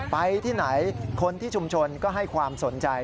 ไปที่ไหนคนที่ชุมชนก็ให้ความสนใจ